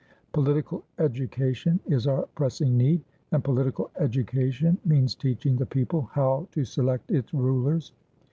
Political education is our pressing need, and political education means teaching the People how to select its Rulers.